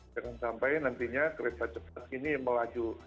jangan sampai nantinya kereta cepat ini melaju